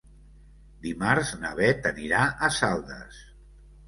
Dimarts na Bet anirà a Saldes.